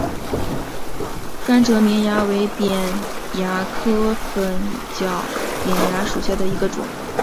甘蔗绵蚜为扁蚜科粉角扁蚜属下的一个种。